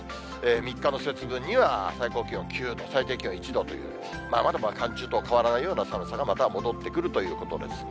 ３日の節分には、最高気温９度、最低気温１度という、まだ寒中と変わらないような寒さがまた戻ってくるということですね。